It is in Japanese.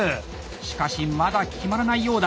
しかしまだ決まらないようだ。